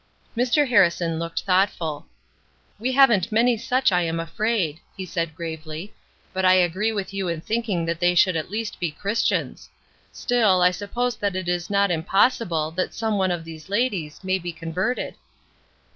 Mr. Harrison looked thoughtful. "We haven't many such, I am afraid," he said, gravely; but I agree with you in thinking that they should at least be Christians. Still, I suppose that it is not impossible that some one of these ladies may be converted."